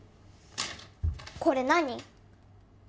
これ何？